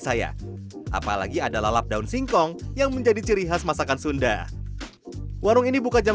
saya apalagi adalah lap daun singkong yang menjadi ciri khas masakan sunda warung ini buka jam enam tiga puluh